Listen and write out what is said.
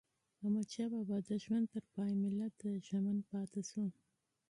احمدشاه بابا د ژوند تر پایه ملت ته ژمن پاته سو.